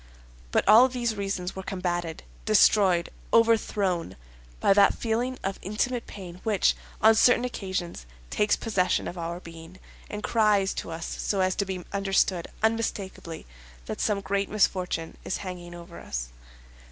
But all these reasons were combated, destroyed, overthrown, by that feeling of intimate pain which, on certain occasions, takes possession of our being, and cries to us so as to be understood unmistakably that some great misfortune is hanging over us.